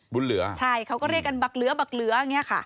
บุญเหลือใช่เขาก็เรียกกันบักเหลือเนี่ยค่ะ